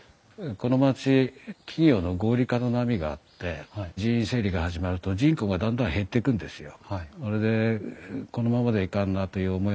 この町企業の合理化の波があって人員整理が始まると人口がどんどん減ってくんですよ。